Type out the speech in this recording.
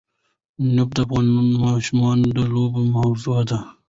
نفت د افغان ماشومانو د لوبو موضوع ده.